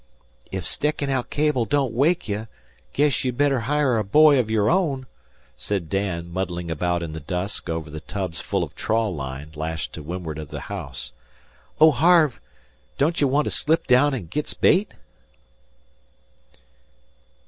"Ef stickin' out cable don't wake ye, guess you'd better hire a boy o' your own," said Dan, muddling about in the dusk over the tubs full of trawl line lashed to windward of the house. "Oh, Harve, don't ye want to slip down an' git 's bait?"